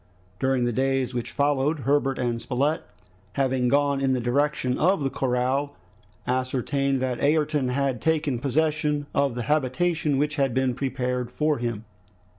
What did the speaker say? During the days which followed, Herbert and Spilett having gone in the direction of the corral, ascertained that Ayrton had taken possession of the habitation which had been prepared for him.